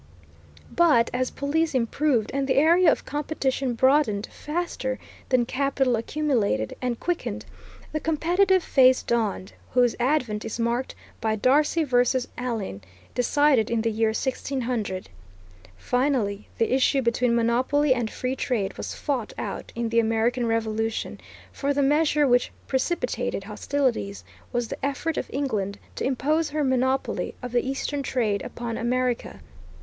But as police improved, and the area of competition broadened faster than capital accumulated and quickened, the competitive phase dawned, whose advent is marked by Darcy v. Allein, decided in the year 1600. Finally, the issue between monopoly and free trade was fought out in the American Revolution, for the measure which precipitated hostilities was the effort of England to impose her monopoly of the Eastern trade upon America.